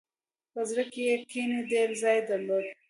په زړه کې یې کینې ډېر ځای درلود.